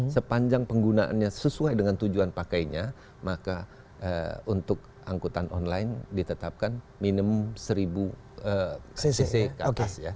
sepanjang penggunaannya sesuai dengan tujuan pakainya maka untuk angkutan online ditetapkan minimum seribu cc ke atas ya